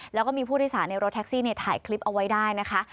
แล้วก็มีผู้โดยสารในรถแท็กซี่ถ่ายคลิปเอาไว้ได้นะคะ